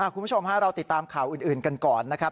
คุณผู้ชมเราติดตามข่าวอื่นกันก่อนนะครับ